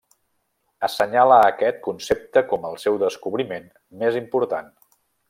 Assenyala aquest concepte com el seu descobriment més important.